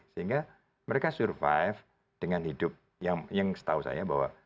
sehingga mereka survive dengan hidup yang setahu saya bahwa